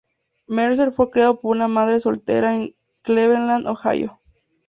Mercer fue criado por una madre soltera en Cleveland, Ohio.